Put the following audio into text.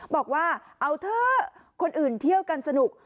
บอกว่าเอาเถอะคนอื่นเที่ยวกันสนุก